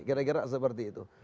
kira kira seperti itu